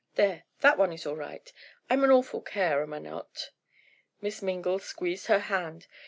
There, that one is all right. I'm an awful care; am I not?" Miss Mingle squeezed her hand.